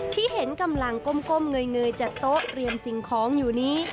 ที่เห็นกำลังก้มเงยจัดโต๊ะเตรียมสิ่งของอยู่นี้